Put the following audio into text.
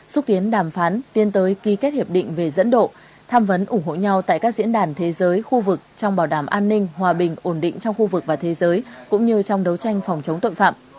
xúc tiến đàm phán tiến tới ký kết hiệp định về dẫn độ tham vấn ủng hộ nhau tại các diễn đàn thế giới khu vực trong bảo đảm an ninh hòa bình ổn định trong khu vực và thế giới cũng như trong đấu tranh phòng chống tội phạm